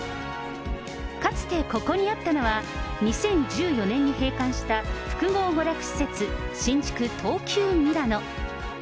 かつてここにあったのは、２０１４年に閉館した複合娯楽施設、新宿トウキュウミラノ。